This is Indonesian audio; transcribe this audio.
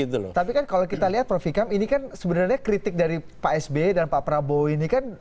tapi kan kalau kita lihat prof ikam ini kan sebenarnya kritik dari pak sbe dan pak prabowo ini kan